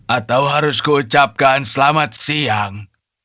atau harus kucapkan selamat siang